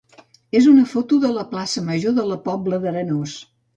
és una foto de la plaça major de la Pobla d'Arenós.